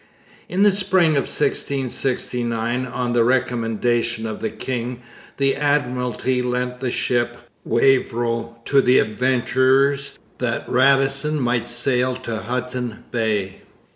In the spring of 1669, on the recommendation of the king, the Admiralty lent the ship Wavero to the adventurers that Radisson might sail to Hudson Bay.